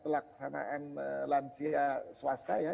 laksanaan lansia swasta